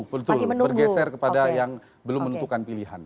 betul bergeser kepada yang belum menentukan pilihan